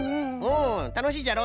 うんたのしいじゃろ？